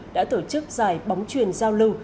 đã tổ chức giải bóng truyền giao lưu